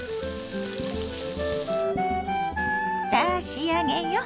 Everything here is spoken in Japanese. さあ仕上げよ！